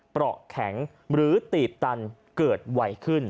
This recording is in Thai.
เพราะแข็งหรือตีบตันเกิดไวขึ้น